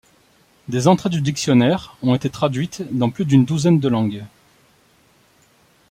Des entrées du dictionnaire ont été traduites dans plus d'une douzaine de langues.